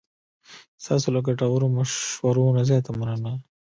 ستاسو له ګټورو مشورو نه زیاته مننه.